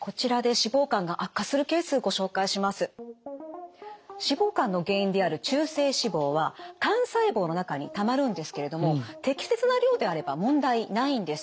脂肪肝の原因である中性脂肪は肝細胞の中にたまるんですけれども適切な量であれば問題ないんです。